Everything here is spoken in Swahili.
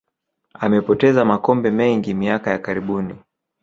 amepoteza makombe mengi miaka ya karibuni